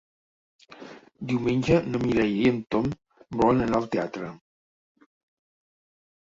Diumenge na Mireia i en Tom volen anar al teatre.